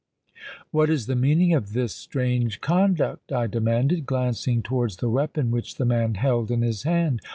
—'What is the meaning of this strange conduct?' I demanded, glancing towards the weapon which the man held in his hand.